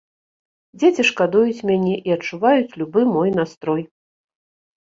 Дзеці шкадуюць мяне і адчуваюць любы мой настрой.